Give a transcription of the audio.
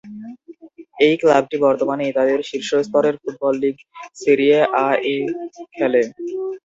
এই ক্লাবটি বর্তমানে ইতালির শীর্ষ স্তরের ফুটবল লীগ সেরিয়ে আ-এ খেলে।